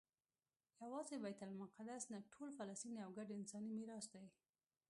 یوازې بیت المقدس نه ټول فلسطین یو ګډ انساني میراث دی.